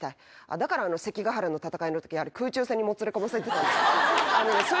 だから関ケ原の戦いのとき、空中戦にもつれ込ませてたんですね。